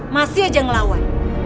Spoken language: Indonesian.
masih aja ngelawan